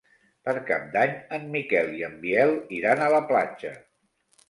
Per Cap d'Any en Miquel i en Biel iran a la platja.